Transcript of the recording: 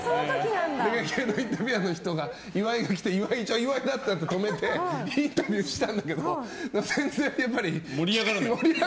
インタビュアーの人が岩井が来て岩井だ、岩井だってなって止めてインタビューしたんだけどやっぱり盛り上がらない。